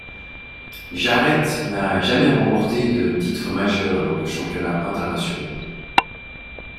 Jarret n'a jamais remporté de titre majeur lors de championnats internationaux.